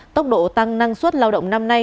tốc độ tăng năng suất lao động năm nay